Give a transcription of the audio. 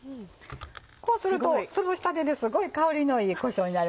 こうするとつぶしたてですごい香りのいいこしょうになる。